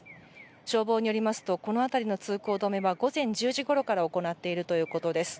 消防によりますとこの辺りの通行止めは午前１０時ごろから行っているということです。